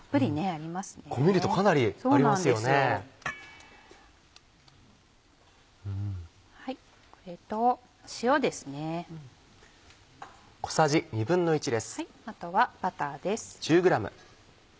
あとはバターです。